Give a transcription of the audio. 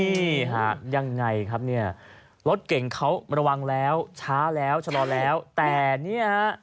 นี่ฮะยังไงครับเนี่ยรถเก่งเขาระวังแล้วช้าแล้วชะลอแล้วแต่เนี่ยฮะ